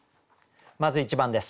まず１番です。